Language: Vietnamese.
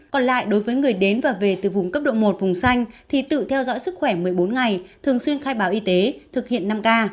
còn lại đối với người đến và về từ vùng cấp độ một vùng xanh thì tự theo dõi sức khỏe một mươi bốn ngày thường xuyên khai báo y tế thực hiện năm k